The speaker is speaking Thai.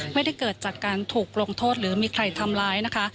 ไม่ได้เกิดจากการถูกลงโทษหรือมีใครทำร้ายนะคะ